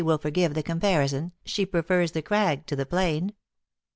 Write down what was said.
Ill will forgive tlie comparison, she prefers the crag to the plain.